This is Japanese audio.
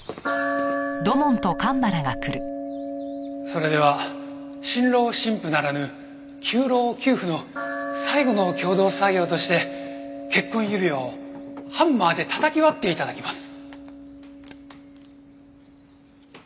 それでは新郎新婦ならぬ旧郎旧婦の最後の共同作業として結婚指輪をハンマーでたたき割って頂きます。